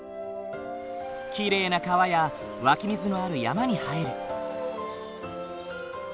きれいな川や湧き水のある山に生える。